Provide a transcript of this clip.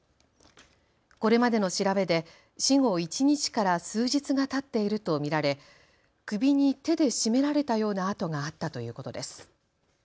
これまでの調べで死後一日から数日がたっていると見られ首に手で絞められたような痕があったということです。